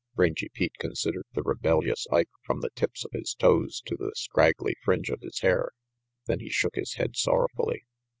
Rangy Pete considered the rebellious Ike from the tips of his toes to the scraggly fringe of his hair. Then he shook his head sorrowfully.